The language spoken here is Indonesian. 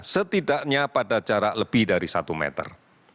setidaknya pada jarak lebih dari satu meter